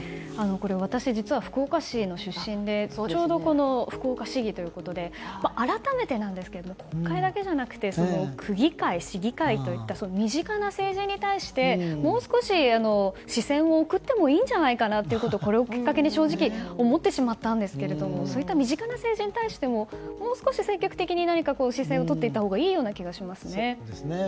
私、実は福岡市の出身でちょうど、福岡市議ということで改めてなんですけど国会だけじゃなくて区議会、市議会といった身近な政治に対してもう少し、視線を送ってもいいんじゃないかなということをこれをきっかけに正直思ってしまったんですけどそういった身近な政治に対してももう少し積極的に何か視線をとっていったほうがいい気がしますね。